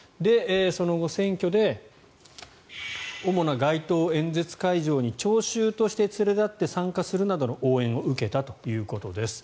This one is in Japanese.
その後、選挙で主な街頭演説会場に聴衆として連れ立って参加するなどの応援を受けたということです。